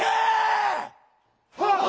はっ！